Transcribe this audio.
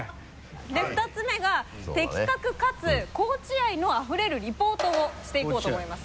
で２つ目が的確かつ高知愛のあふれるリポートをしていこうと思います。